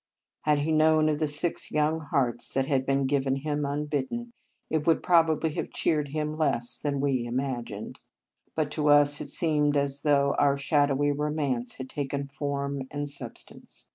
Had he known of the six young hearts that had been given him unbidden, it would probably have cheered him less than we imagined. But to us it seemed as though our shadowy romance had taken form and substance.